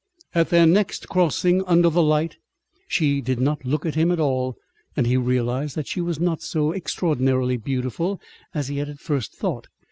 At their next crossing under the light she did not look at him at all, and he realized that she was not so extraordinarily beautiful as he had at first thought.